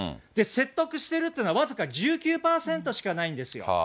説得してるというのは僅か１９％しかないんですよ。